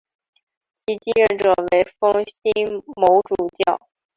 其继任者为封新卯主教。